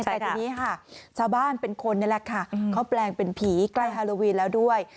แต่ติดนี้ชาวบ้านเป็นคนเนี่ยแหละแปลงเป็นผีใกล้ฮาโลวีนแล้วด้วย